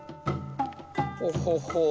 ほほほう